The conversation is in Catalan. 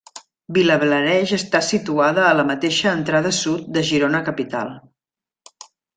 Vilablareix està situat a la mateixa entrada sud de Girona capital.